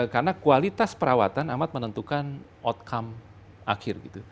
karena kualitas perawatan amat menentukan outcome akhir